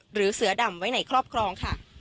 หรือเสือดำไว้ในครอบครองค่ะ